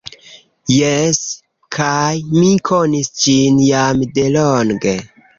Jes, kaj mi konis ĝin jam delonge.